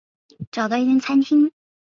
找到一间餐厅就进去吃